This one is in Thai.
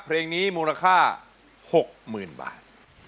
เพลงนี้มูลค่า๖๐๐๐บาท